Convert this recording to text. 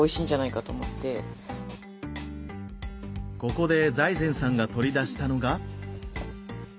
ここで財前さんが取り出したのが。